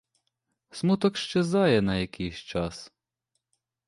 Смуток щезає на якийсь час.